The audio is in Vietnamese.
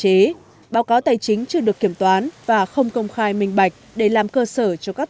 chế báo cáo tài chính chưa được kiểm toán và không công khai minh bạch để làm cơ sở cho các